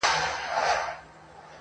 د زړو غمونو یاري، انډيوالي د دردونو.